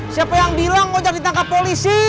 siapa yang bilang ojak ditangkap polisi